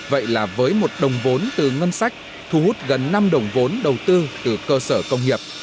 vậy là với một đồng vốn từ ngân sách thu hút gần năm đồng vốn đầu tư từ cơ sở công nghiệp